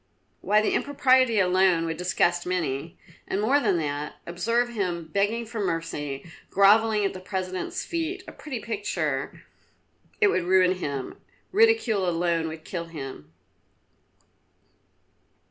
Why, the impropriety alone would disgust many. And more than that, observe him begging for mercy, grovelling at the President's feet, a pretty picture! It would ruin him; ridicule alone would kill him."